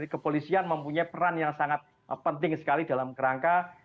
kepolisian mempunyai peran yang sangat penting sekali dalam kerangka